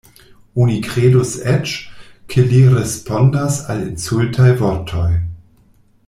Oni kredus eĉ, ke li respondas al insultaj vortoj.